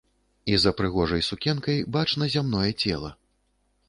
І за прыгожай сукенкай бачна зямное цела.